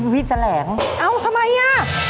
พี่แสลงเหรออ๋อทำไมน่ะ